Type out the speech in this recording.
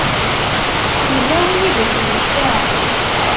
Yella win i yukren ssaɛa-w.